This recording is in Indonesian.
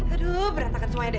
aduh berantakan semuanya deh